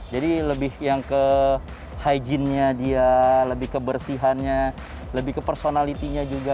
dua ribu delapan belas jadi lebih yang ke hai jinnya dia lebih kebersihannya lebih ke personalitinya juga